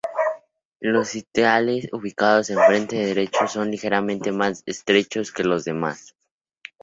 Los sitiales ubicados en el frente derecho son ligeramente más estrechos que los demás.